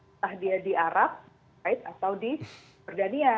entah dia di arab atau di jordania